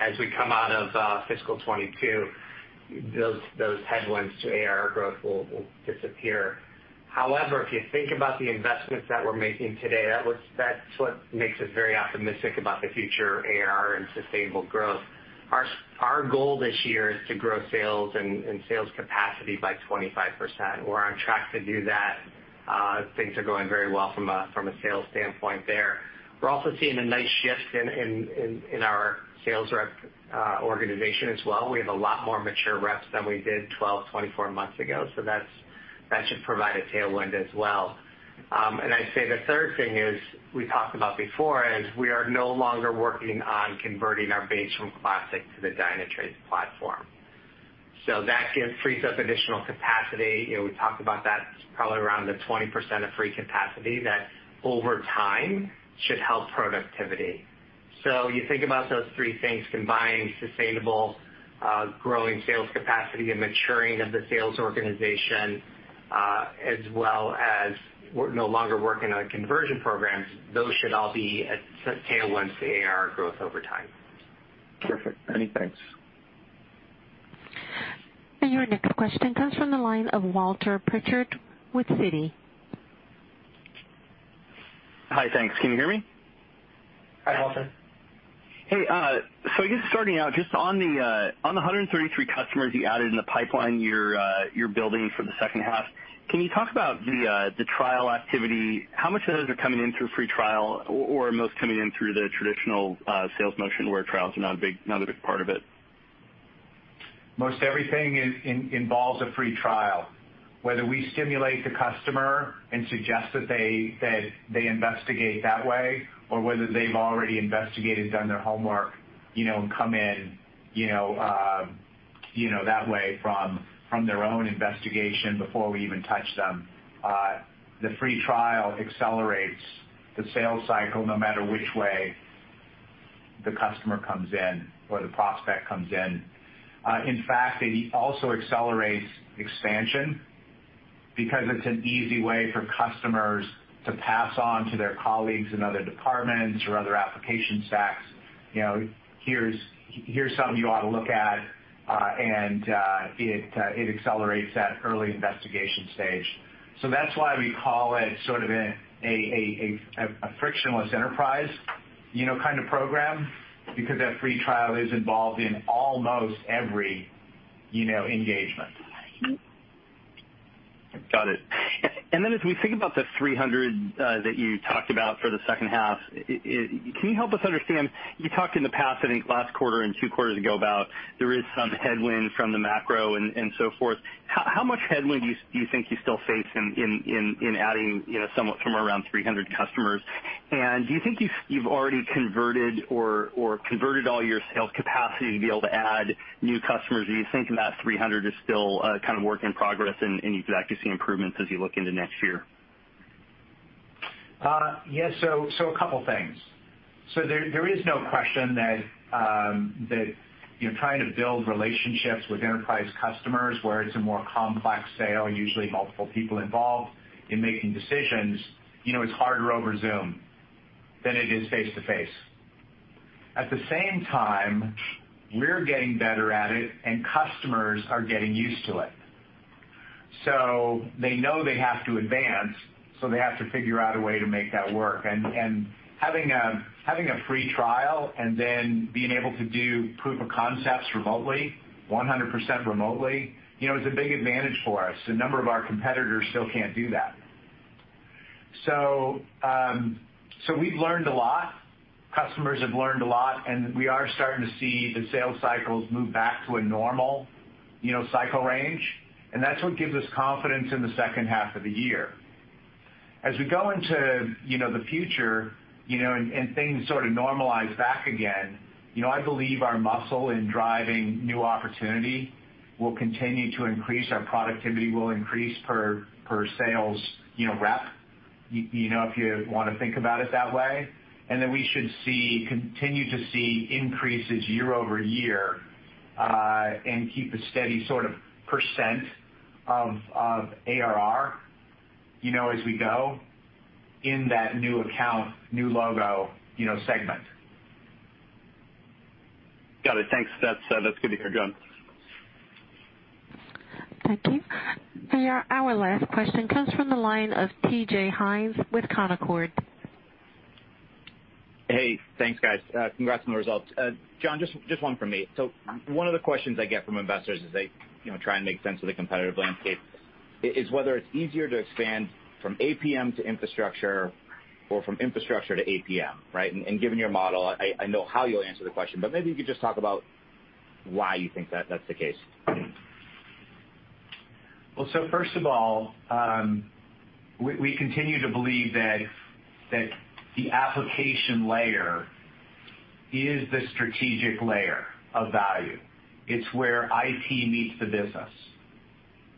As we come out of fiscal 2022, those headwinds to ARR growth will disappear. However, if you think about the investments that we're making today, that's what makes us very optimistic about the future of ARR and sustainable growth. Our goal this year is to grow sales and sales capacity by 25%. We're on track to do that. Things are going very well from a sales standpoint there. We're also seeing a nice shift in our sales rep organization as well. We have a lot more mature reps than we did 12, 24 months ago, so that should provide a tailwind as well. I'd say the third thing is, we talked about before, is we are no longer working on converting our base from classic to the Dynatrace platform. That frees up additional capacity. We talked about that, probably around the 20% of free capacity that over time should help productivity. You think about those three things combined, sustainable growing sales capacity and maturing of the sales organization, as well as we're no longer working on conversion programs, those should all be tailwinds to ARR growth over time. Perfect. Many thanks. Your next question comes from the line of Walter Pritchard with Citi. Hi, thanks. Can you hear me? Hi, Walter. Hey, I guess starting out, just on the 133 customers you added in the pipeline you're building for the second half, can you talk about the trial activity? How much of those are coming in through free trial, or are most coming in through the traditional sales motion where trials are not a big part of it? Most everything involves a free trial. Whether we stimulate the customer and suggest that they investigate that way, or whether they've already investigated, done their homework, and come in that way from their own investigation before we even touch them. The free trial accelerates the sales cycle no matter which way the customer comes in or the prospect comes in. In fact, it also accelerates expansion because it's an easy way for customers to pass on to their colleagues in other departments or other application stacks, "Here's something you ought to look at," and it accelerates that early investigation stage. That's why we call it sort of a frictionless enterprise kind of program, because that free trial is involved in almost every engagement. As we think about the 300 that you talked about for the second half, can you help us understand, you talked in the past, I think last quarter and 2 quarters ago, about there is some headwind from the macro and so forth. How much headwind do you think you still face in adding somewhat from around 300 customers? Do you think you've already converted all your sales capacity to be able to add new customers? Or you think that 300 is still a kind of work in progress, and you could actually see improvements as you look into next year? Yes. A couple of things. There is no question that trying to build relationships with enterprise customers where it's a more complex sale, usually multiple people involved in making decisions, it's harder over Zoom than it is face-to-face. At the same time, we're getting better at it, and customers are getting used to it. They know they have to advance, so they have to figure out a way to make that work. Having a free trial and then being able to do proof of concepts remotely, 100% remotely, is a big advantage for us. A number of our competitors still can't do that. We've learned a lot. Customers have learned a lot, and we are starting to see the sales cycles move back to a normal cycle range, and that's what gives us confidence in the second half of the year. As we go into the future, and things sort of normalize back again, I believe our muscle in driving new opportunity will continue to increase, our productivity will increase per sales rep, if you want to think about it that way. We should continue to see increases year-over-year, and keep a steady sort of % of ARR as we go in that new account, new logo segment. Got it. Thanks. That's good to hear, John. Thank you. Our last question comes from the line of D.J. Hynes with Canaccord. Hey, thanks, guys. Congrats on the results. John, just one from me. One of the questions I get from investors as they try and make sense of the competitive landscape is whether it's easier to expand from APM to infrastructure or from infrastructure to APM, right? Given your model, I know how you'll answer the question, but maybe you could just talk about why you think that's the case. Well, first of all, we continue to believe that the application layer is the strategic layer of value. It's where IT meets the business.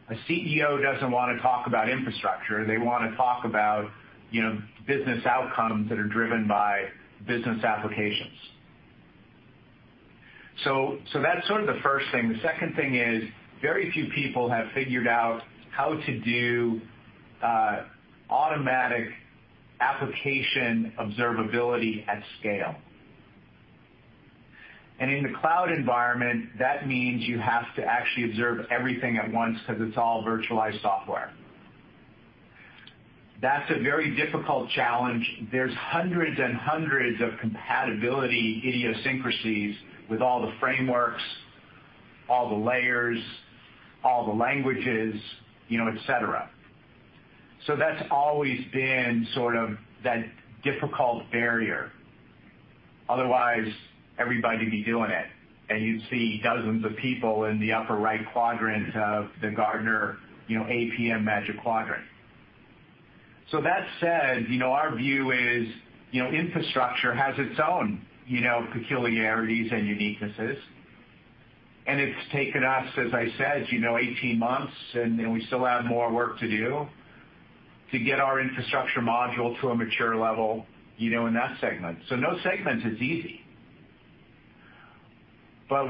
A CEO doesn't want to talk about infrastructure. They want to talk about business outcomes that are driven by business applications. That's sort of the first thing. The second thing is very few people have figured out how to do automatic application observability at scale. In the cloud environment, that means you have to actually observe everything at once because it's all virtualized software. That's a very difficult challenge. There's hundreds and hundreds of compatibility idiosyncrasies with all the frameworks, all the layers, all the languages etc. That's always been sort of that difficult barrier. Otherwise, everybody'd be doing it and you'd see dozens of people in the upper right quadrant of the Gartner APM Magic Quadrant. That said, our view is infrastructure has its own peculiarities and uniquenesses, and it's taken us, as I said, 18 months, and we still have more work to do to get our infrastructure module to a mature level in that segment. No segment is easy.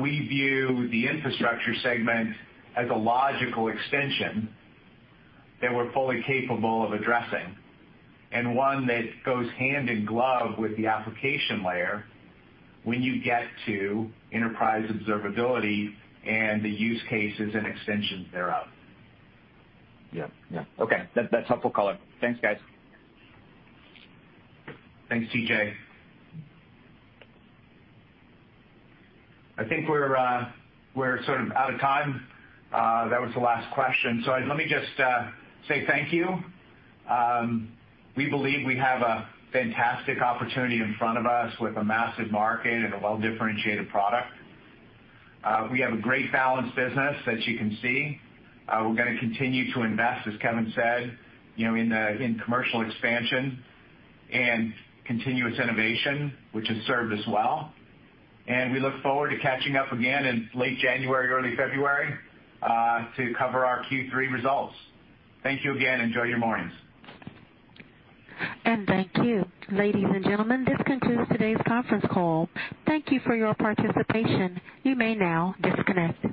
We view the infrastructure segment as a logical extension that we're fully capable of addressing, and one that goes hand in glove with the application layer when you get to enterprise observability and the use cases and extensions thereof. Yeah. Okay. That's helpful color. Thanks, guys. Thanks, D.J. I think we're sort of out of time. That was the last question. Let me just say thank you. We believe we have a fantastic opportunity in front of us with a massive market and a well-differentiated product. We have a great balanced business, as you can see. We're going to continue to invest, as Kevin said, in commercial expansion and continuous innovation, which has served us well, and we look forward to catching up again in late January or early February to cover our Q3 results. Thank you again. Enjoy your mornings. Thank you. Ladies and gentlemen, this concludes today's conference call. Thank you for your participation. You may now disconnect.